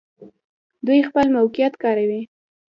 دوی خپل موقعیت کاروي.